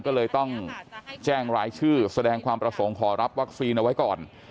ก็เลยต้องแจ้งรายชื่อแสดงความประสงค์ขอรับวัคซีนเอาไว้ก่อน